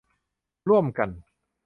ร่วมกัน